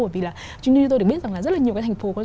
bởi vì là chúng tôi được biết rằng là rất là nhiều cái thành phố có